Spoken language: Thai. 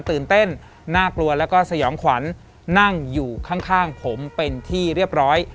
ตื่นเต้นน่ากลัวแล้วก็สยองขวัญนั่งอยู่ข้างผมเป็นที่เรียบร้อย